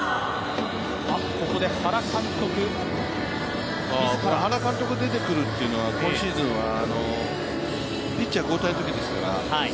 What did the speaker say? ここで原監督、自ら原監督出てくるっていうのは、今シーズンはピッチャー交代のときですから。